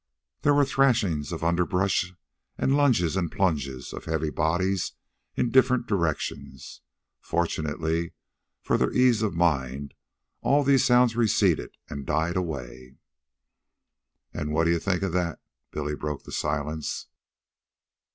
There were trashings of underbrush and lunges and plunges of heavy bodies in different directions. Fortunately for their ease of mind, all these sounds receded and died away. "An' what d'ye think of that?" Billy broke the silence.